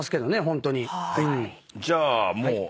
じゃあもう。